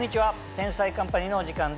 『天才‼カンパニー』のお時間です。